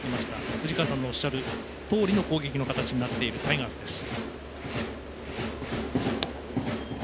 藤川さんのおっしゃるとおりの攻撃の形になっているタイガースです。